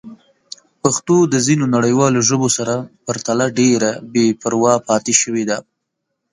پښتو د ځینو نړیوالو ژبو سره پرتله ډېره بې پروا پاتې شوې ده.